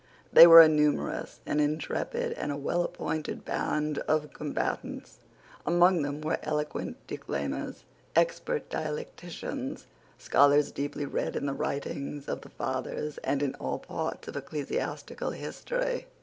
They were a numerous, an intrepid, and a well appointed band of combatants. Among them were eloquent declaimers, expert dialecticians, scholars deeply read in the writings of the fathers and in all parts of ecclesiastical history.